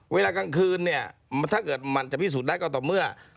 เวลากลางคืนเนี่ยถ้าเกิดมันจะพิสูจน์ได้ก็ต่อเมื่อ